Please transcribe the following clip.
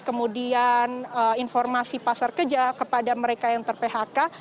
kemudian informasi pasar kerja kepada mereka yang ter phk